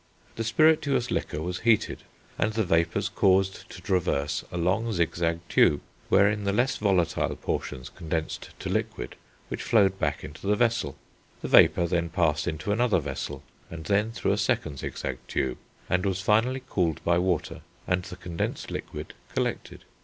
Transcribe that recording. The spirituous liquor was heated, and the vapours caused to traverse a long zigzag tube, wherein the less volatile portions condensed to liquid, which flowed back into the vessel; the vapour then passed into another vessel, and then through a second zigzag tube, and was finally cooled by water, and the condensed liquid collected.